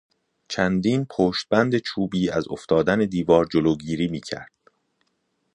چندین پشتبند چوبی از افتادن دیوار جلوگیری میکرد.